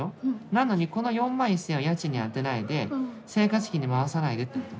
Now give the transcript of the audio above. なのにこの４万１，０００円は家賃に充てないで生活費に回さないでってこと。